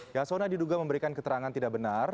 yasona diduga memberikan keterangan tidak benar